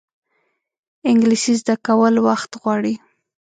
انګلیسي زده کول وخت غواړي